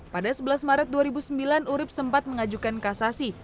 pada sebelas maret dua ribu sembilan urib sempat mengajukan kasasi